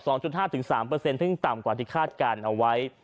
ซึ่งต่ำกว่าที่คาดการณ์เอาไว้